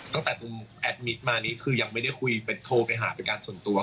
ตั้งแต่ตูมแอดมิตมานี้คือยังไม่ได้คุยเป็นโทรไปหาประการส่วนตัว